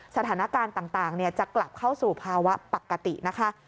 สถานการณ์ต่างจะกลับเข้าสู่ภาวะปกตินะคะ